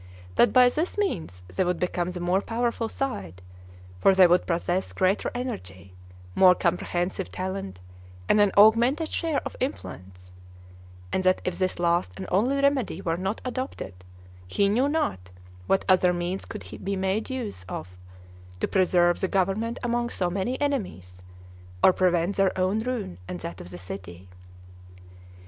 That by this means they would become the more powerful side, for they would possess greater energy, more comprehensive talent and an augmented share of influence; and that if this last and only remedy were not adopted, he knew not what other means could be made use of to preserve the government among so many enemies, or prevent their own ruin and that of the city.